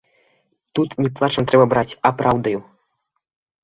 Тут не плачам трэба браць, а праўдаю.